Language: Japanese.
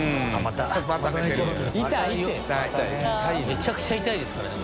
めちゃくちゃ痛いですからね。